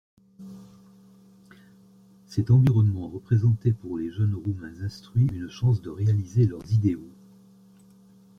Cet environnement représentait pour les jeunes Roumains instruits une chance de réaliser leurs idéaux.